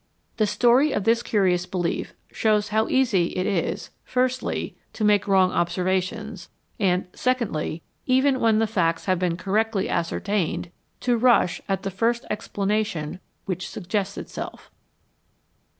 The story of this curious belief shows how easy it is, firstly, to make wrong observations, and, secondly, even when the facts have been correctly ascer tained, to rush at the first explanation which suggests itself.